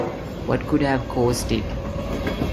What could have caused it?